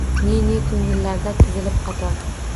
Ne-ne ko’ngillarda tizilib qator